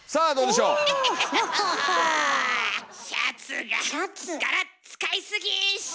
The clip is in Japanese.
シャツが柄使い過ぎ。